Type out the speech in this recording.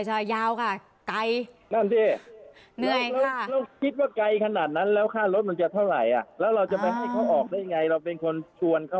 มาจากนู่นลมศักดิ์พฤชบูรณ์นั่นแหละค่ะค่ะแล้วเมื่อกี้ที่ปูบอกค่าตัวคืออะไรคะ